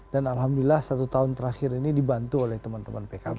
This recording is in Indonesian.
dan alhamdulillah satu tahun terakhir ini dibantu oleh teman teman pkb